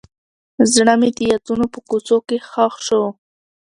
زړه مې د یادونو په کوڅو کې ښخ شو.